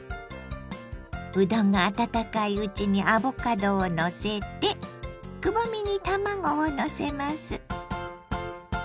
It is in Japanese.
うどんが温かいうちにアボカドをのせてくぼみに卵をのせます。